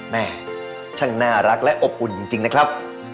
แม่ช่างน่ารักและอบอุ่นจริงนะครับ